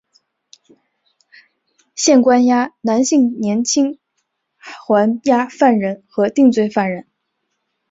现关押男性年青还押犯人和定罪犯人。